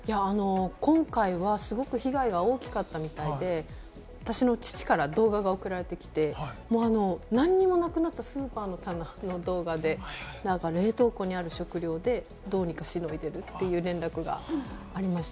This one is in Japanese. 今回はすごく被害が大きかったみたいで、私の父から動画が送られてきて、何もなくなってしまったスーパーの棚の動画で、冷凍庫にある食料でどうにかしのいでいるという連絡がありました。